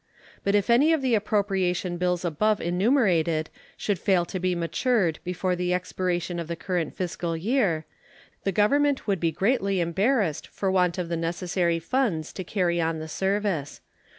But if any of the appropriation bills above enumerated should fail to be matured before the expiration of the current fiscal year, the Government would be greatly embarrassed for want of the necessary funds to carry on the service.